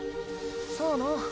さあな。